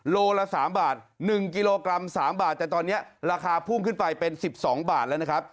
โลละ๓บาท๑กิโลกรัม๓บาทแต่ตอนนี้ราคาพุ่งขึ้นไปเป็น๑๒บาทแล้วนะครับ